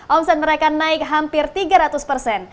omset mereka naik hampir tiga ratus persen